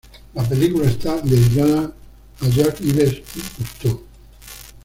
La película está dedicada a Jacques-Yves Cousteau.